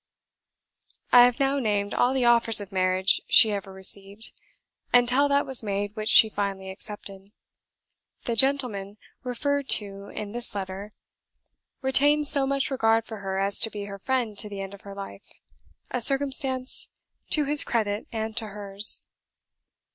I have now named all the offers of marriage she ever received, until that was made which she finally accepted. The gentle man referred to in this letter retained so much regard for her as to be her friend to the end of her life; a circumstance to his credit and to hers.